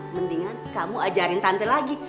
mendingan kamu ajarin tante lagi